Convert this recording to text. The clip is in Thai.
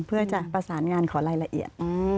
เพื่อจะประสานงานขอรายละเอียด